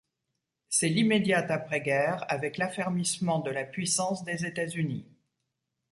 C’est l’immédiate après-guerre, avec l’affermissement de la puissance des États-Unis.